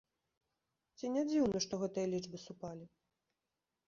Ці не дзіўна, што гэтыя лічбы супалі?